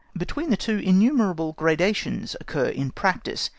Between the two innumerable gradations occur in practice.